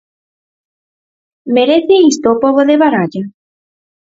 Merece isto o pobo de Baralla?